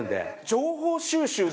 情報収集で？